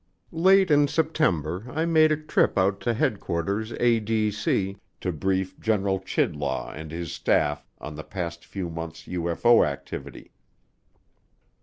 Late in September I made a trip out to Headquarters, ADC to brief General Chidlaw and his staff on the past few months' UFO activity.